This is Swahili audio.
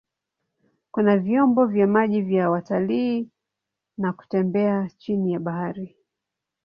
Kuna vyombo vya maji vya watalii na kutembea chini ya bahari.